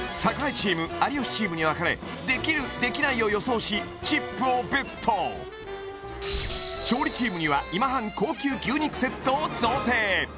チーム有吉チームに分かれできるできないを予想しチップをＢＥＴ勝利チームには今半高級牛肉セットを贈呈